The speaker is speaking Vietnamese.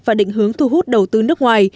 và định hướng thu hút đầu tư nước ngoài